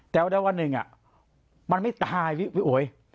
แต่ว่าได้ว่าหนึ่งมันไม่ตาย